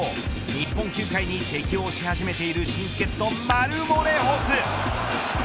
日本野球に適応し始めている新助っ人マルモレホス。